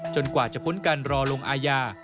กว่าจะพ้นการรอลงอาญา